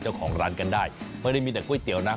เจ้าของร้านกันได้ไม่ได้มีแต่ก๋วยเตี๋ยวนะ